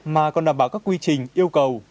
mà còn đảm bảo các quy trình yêu cầu